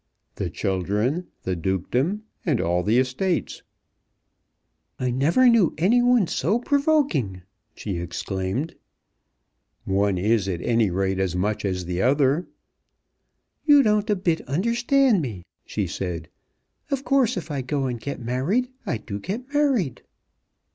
"The children, the dukedom, and all the estates." "I never knew any one so provoking," she exclaimed. "One is at any rate as much as another." "You don't a bit understand me," she said. "Of course if I go and get married, I do get married."